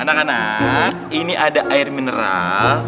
anak anak ini ada air mineral